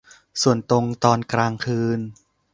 ส่วนตรงตอนกลางคืน